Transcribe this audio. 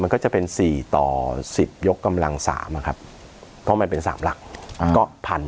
ก็จะเป็น๔ต่อ๑๐ยกกำลัง๓นะครับเพราะมันเป็น๓หลักก็๑๐๐